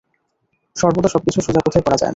সর্বদা সবকিছু সোজা পথে করা যায় না।